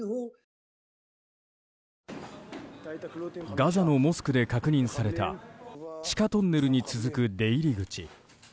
ガザのモスクで確認された地下トンネルに続く出入り口。